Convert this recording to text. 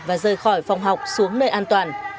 và rời khỏi phòng học xuống nơi an toàn